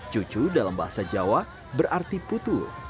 cucu dalam bahasa jawa berarti putu